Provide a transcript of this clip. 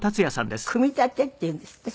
『くみたて』っていうんですって？